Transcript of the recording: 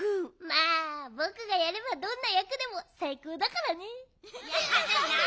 まあぼくがやればどんなやくでもさいこうだからね。